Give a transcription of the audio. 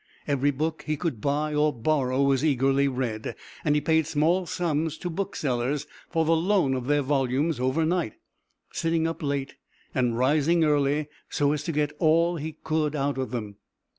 Every book he could buy or borrow was eagerly read, and he paid small sums to booksellers for the loan of their volumes overnight, sitting up late and rising early so as to get all he could out of them.